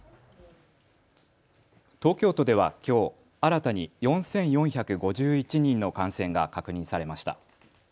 東京都ではきょう新たに４４５１人の感染が確認されました。